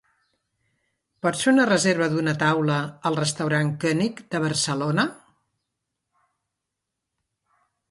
Pots fer una reserva una taula al restaurant König de Barcelona?